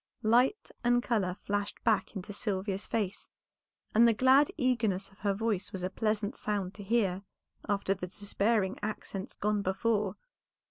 Light and color flashed back into Sylvia's face, and the glad eagerness of her voice was a pleasant sound to hear after the despairing accents gone before.